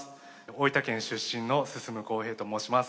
大分県出身の進公平と申します。